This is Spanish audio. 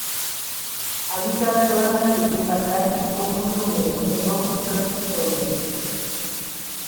Habita zonas de clima atlántico muy húmedo, en bosques caducifolios.